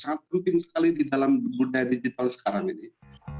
sangat penting sekali di dalam budaya digital sekarang ini